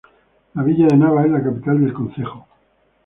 La villa de Nava es la capital del concejo.